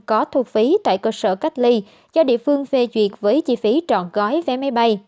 có thu phí tại cơ sở cách ly do địa phương phê duyệt với chi phí trọn gói vé máy bay